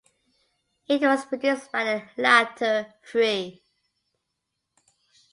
It was produced by the latter three.